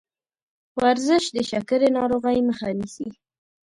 ورزش د شکرې ناروغۍ مخه نیسي.